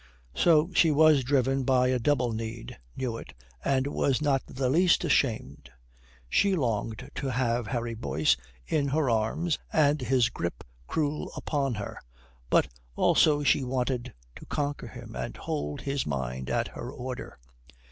So she was driven by a double need, knew it, and was not the least ashamed. She longed to have Harry Boyce in her arms and his grip cruel upon her. But also she wanted to conquer him and hold his mind at her order.